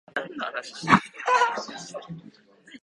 本能は環境に対する適応の仕方の一つであり、身体の構造に結び付き、